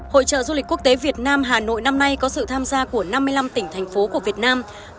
hội trợ du lịch quốc tế việt nam hà nội năm nay có sự tham gia của năm mươi năm tỉnh thành phố của việt nam